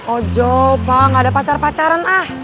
ojo pak gak ada pacar pacaran ah